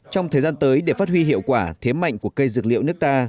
trong thời gian tới để phát huy hiệu quả thế mạnh của cây dược liệu nước ta